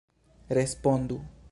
Respondu.